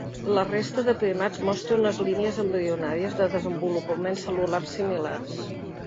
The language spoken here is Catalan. La resta de primats mostra unes línies embrionàries de desenvolupament cel·lular similars.